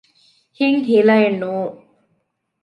ހިތް ހިލައެއް ނޫން